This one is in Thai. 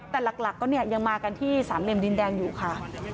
แต่หลักก็เนี่ยยังมากันที่สามเหลี่ยมดินแดงอยู่ค่ะ